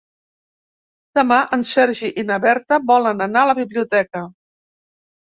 Demà en Sergi i na Berta volen anar a la biblioteca.